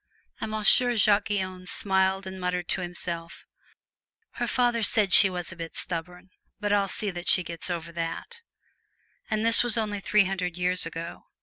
And Monsieur Jacques Guyon smiled and muttered to himself, "Her father said she was a bit stubborn, but I'll see that she gets over it!" And this was over three hundred years ago.